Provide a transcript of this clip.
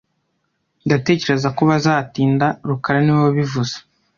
Ndatekereza ko bazatinda rukara niwe wabivuze